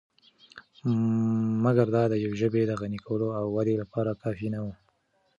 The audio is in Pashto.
مګر دا دیوې ژبې د غني کولو او ودې لپاره کافی نه وو .